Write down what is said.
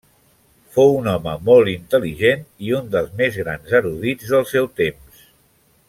Fou un home molt intel·ligent i un dels més grans erudits del seu temps.